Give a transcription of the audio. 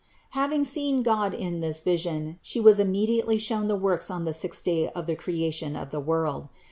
Having seen God in this vision She was immedi ately shown the works on the sixth day of the creation of 2 6 61 62 CITY OF GOD the world.